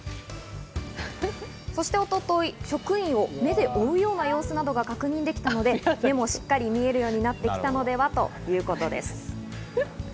そして一昨日、職員を目で追うような様子も確認できたので目もしっかり見えるようになってきたのではということです。